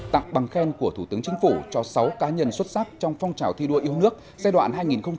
tặng bằng khen của thủ tướng chính phủ cho sáu cá nhân xuất sắc trong phong trào thi đua yêu nước giai đoạn hai nghìn một mươi năm hai nghìn hai mươi